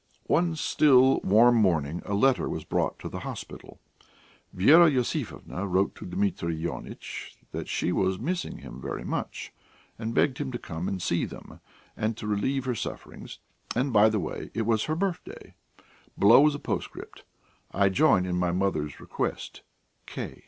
One still, warm morning a letter was brought to the hospital. Vera Iosifovna wrote to Dmitri Ionitch that she was missing him very much, and begged him to come and see them, and to relieve her sufferings; and, by the way, it was her birthday. Below was a postscript: "I join in mother's request.